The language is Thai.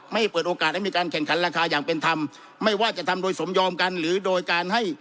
ไม่เปิดโอกาสให้มีการแข่งขันราคาอย่างเป็นธรรมไม่ว่าจะทำโดยสมยอมกันหรือโดยการให้